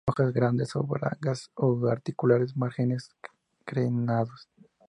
Hojas grandes, oblongas a orbiculares; márgenes crenados.